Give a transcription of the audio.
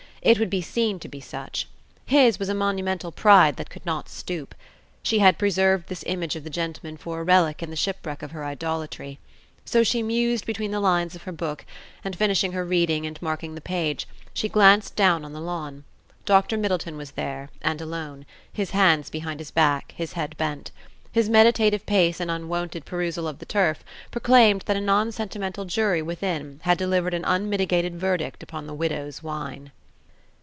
It would be seen to be such. His was a monumental pride that could not stoop. She had preserved this image of the gentleman for a relic in the shipwreck of her idolatry. So she mused between the lines of her book, and finishing her reading and marking the page, she glanced down on the lawn. Dr. Middleton was there, and alone; his hands behind his back, his head bent. His meditative pace and unwonted perusal of the turf proclaimed that a non sentimental jury within had delivered an unmitigated verdict upon the widow's wine.